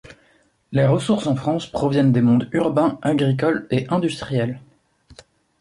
Les ressources en France proviennent des mondes urbain, agricole et industriel.